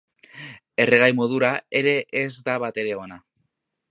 Erregai modura ere ez da batere ona.